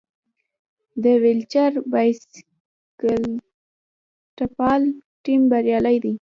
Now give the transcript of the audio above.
د ویلچیر باسکیټبال ټیم بریالی دی.